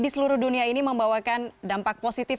di seluruh dunia ini membawakan dampak positif